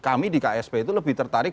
kami di ksp itu lebih tertarik